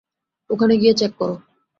ওখানে গিয়ে চেক কর।